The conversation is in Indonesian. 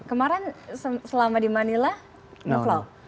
kemarin selama di manila nge flow